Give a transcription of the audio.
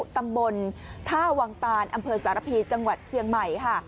ตำบลท่าวังตานอำเภอสารพีจังหวัดเชียงใหม่ค่ะ